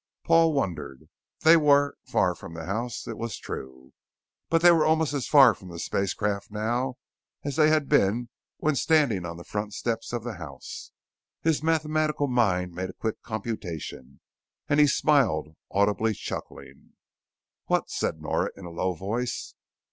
Paul wondered; they were far from the house it was true, but they were almost as far from the spacecraft now as they had been when standing on the front steps of the house. His mathematical mind made a quick computation and he smiled, audibly chuckling. "What?" said Nora in a low voice.